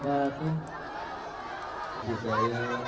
ibu saya salam kebaikan